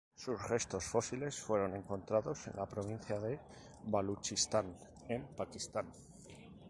Sus restos fósiles fueron encontrados en la provincia de Baluchistán, en Pakistán.